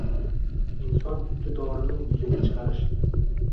Inson iqtidorini yuzaga chiqarish